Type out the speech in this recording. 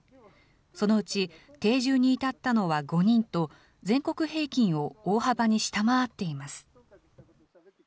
そのうち定住に至ったのは５人と、全国平均を大幅に下回っています。